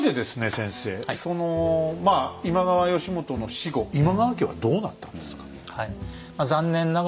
先生その今川義元の死後今川家はどうなったんですか？